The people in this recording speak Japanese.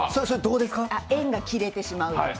縁が切れてしまうとか。